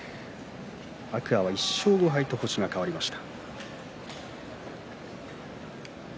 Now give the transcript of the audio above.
天空海は１勝５敗と星が変わりました。